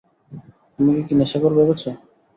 আমাকে কি নেশাখোর ভেবেছো?